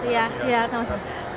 ya terima kasih